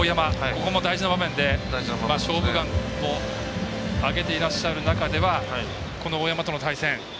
ここも大事な場面で「勝負眼」も挙げていらっしゃる中では大山との対戦。